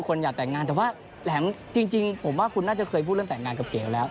สเรือฟะจะเคยพูดเรื่องแต่งงานกับเกวแล้ว